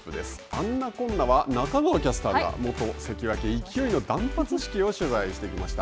あんなこんなは中川キャスターが元関脇・勢の断髪式を取材してきました。